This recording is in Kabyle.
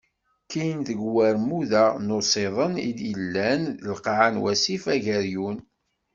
Kkin deg warmud-a n usiḍen i d-yellan lqaɛ n wasif Ageryun.